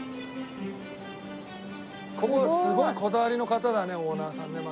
ここすごいこだわりの方だねオーナーさんね槙さん。